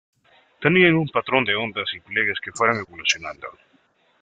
Tenían un patrón de ondas y pliegues que fueron evolucionando.